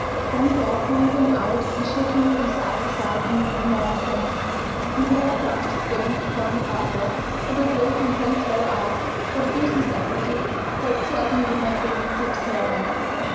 Then Thor pulled him out and shook him from side to side in his enormous hands, and would have crushed his bones upon the hard rocks had not Loki in great terror asked what good his death would do, for it certainly would not bring Sib's hair back.